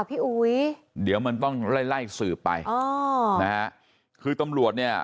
พี่อุ๋ยเดี๋ยวมันต้องไล่ไล่สืบไปอ๋อนะฮะคือตำรวจเนี่ย